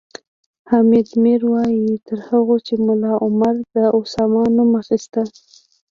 حامد میر وایي تر هغو چې ملا عمر د اسامه نوم اخیست